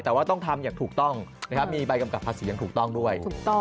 แต่ว่าต้องทำอย่างถูกต้องนะครับมีใบกำกับภาษีอย่างถูกต้องด้วย